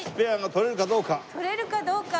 取れるかどうか。